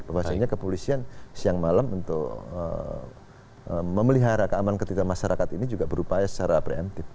bahasanya kepolisian siang malam untuk memelihara keamanan ketidakmasyarakat ini juga berupaya secara preemptif